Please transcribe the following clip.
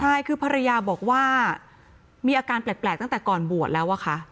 ใช่คือภรรยาบอกว่ามีอาการแปลกตั้งแต่ก่อนบวชแล้วอะค่ะ